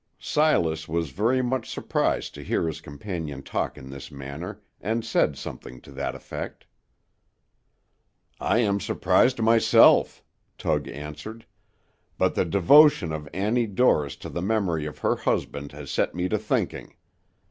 '" Silas was very much surprised to hear his companion talk in this manner, and said something to that effect. "I am surprised myself," Tug answered, "but the devotion of Annie Dorris to the memory of her husband has set me to thinking.